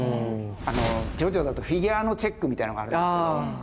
ジョジョだとフィギュアのチェックみたいのがあるんですけど。